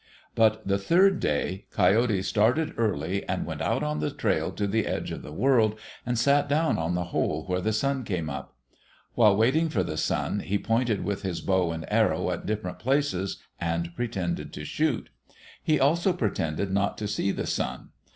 But the third day, Coyote started early and went out on the trail to the edge of the world and sat down on the hole where the sun came up. While waiting for the sun he pointed with his bow and arrow at different places and pretended to shoot. He also pretended not to see the sun.